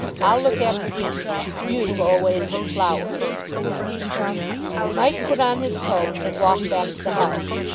I'll look after him. You go away and pick flowers." Mike put on his coat and walked back to the house.